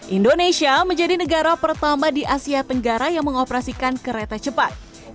indonesia menjadi negara pertama di asia tenggara yang mengoperasikan kereta cepat